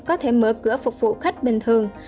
có thể mở cửa phục vụ khách bình thường